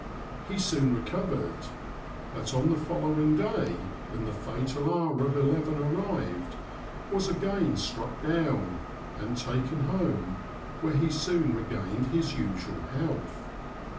He soon recovered ; but on the following day, when the fatal hour of eleven arrived, was again struck down, and taken home, where he soon regained his usual health.